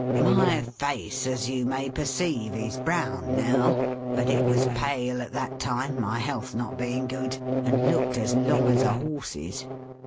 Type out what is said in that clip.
" My face, as you may perceive, is brown now, but it was pale at that time, my health not being good ; and looked as long as a horse's.